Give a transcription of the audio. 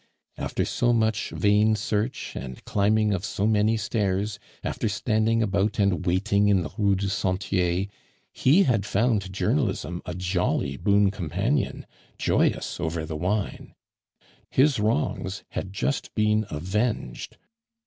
After so much vain search, and climbing of so many stairs, after standing about and waiting in the Rue de Sentier, he had found Journalism a jolly boon companion, joyous over the wine. His wrongs had just been avenged.